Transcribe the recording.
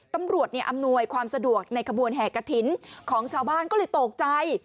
ตำรวจอำนวยความสะดวกในขบวนแห่กระถิ่นของชาวบ้านก็เลยตกใจ